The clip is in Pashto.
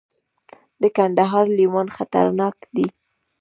د کندهار لیوان خطرناک دي